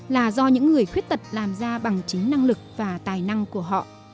là do những người khuyết tật làm ra bằng chính năng lực và tài năng của họ